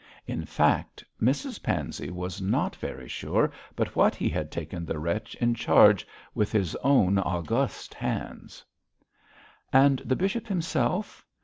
In fact, Mrs Pansey was not very sure but what he had taken the wretch in charge with his own august hands. And the bishop himself?